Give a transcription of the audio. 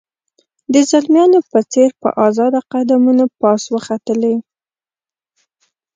د زلمیانو په څېر په آزاده قدمونو پاس وختلې.